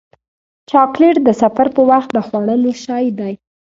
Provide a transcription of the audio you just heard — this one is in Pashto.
چاکلېټ د سفر پر وخت د خوړلو شی دی.